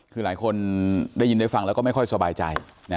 คือหลายคนได้ยินได้ฟังแล้วก็ไม่ค่อยสบายใจ